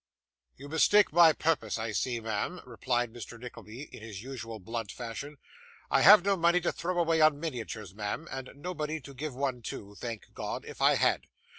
'You mistake my purpose, I see, ma'am,' replied Mr. Nickleby, in his usual blunt fashion. 'I have no money to throw away on miniatures, ma'am, and nobody to give one to (thank God) if I had.